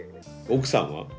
奥さんは？